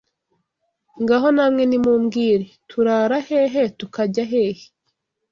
Ngaho namwe nimumbwire Turara hehe tukajya hehe?